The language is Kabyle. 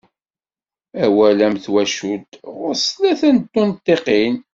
Awal am "tawacult" ɣuṛ-s tlata n tunṭiqin.